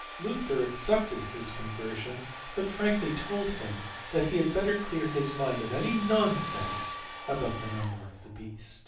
Luther accepted his conversion, but frankly told him he had better clear his mind of any nonsense about the number of the beast.